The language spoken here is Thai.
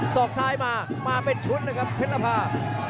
อกซ้ายมามาเป็นชุดนะครับเพชรนภา